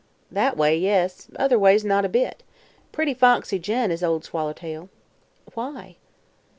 "That way, yes; other ways, not a bit. Pretty foxy gent, is Ol' Swallertail." "Why?"